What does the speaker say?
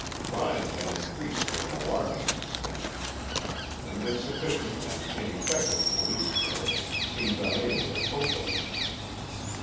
Crime had increased to an alarming extent; an insufficient and ineffective police force seemed unable to cope with it.